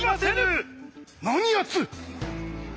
何やつ！